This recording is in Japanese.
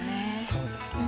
そうですね。